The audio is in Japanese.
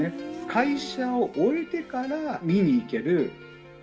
会社を終えてから見に行ける。